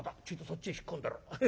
ちょいとそっちへ引っ込んでろ。